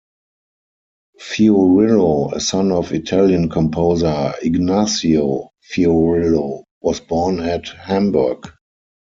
Fiorillo, a son of Italian composer Ignazio Fiorillo, was born at Hamburg.